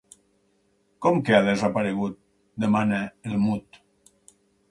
Com que ha desaparegut? —demana el Mud.